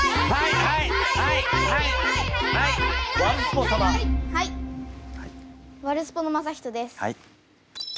ワルスポのまさひとです。